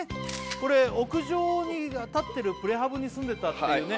これ屋上に立ってるプレハブに住んでたっていうね